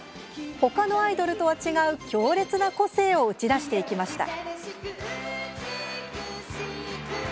ほかのアイドルとは違う強烈な個性を打ち出していきました。